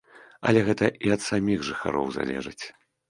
Але гэта і ад саміх жыхароў залежыць.